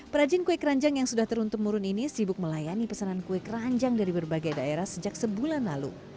perajin kue keranjang yang sudah teruntum murun ini sibuk melayani pesanan kue keranjang dari berbagai daerah sejak sebulan lalu